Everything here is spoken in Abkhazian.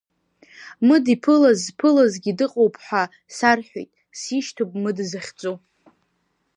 Мыд иԥылаз зԥылазгьы дыҟоуп ҳәа сарҳәеит, сишьҭоуп Мыд захьӡу.